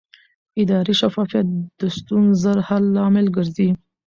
اداري شفافیت د ستونزو ژر حل لامل ګرځي